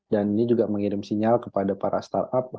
dan ini juga mengirim sinyal kepada para startup